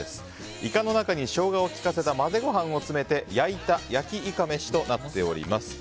イカの中にショウガを利かせた混ぜご飯を詰めて焼いた、焼きイカめしとなっております。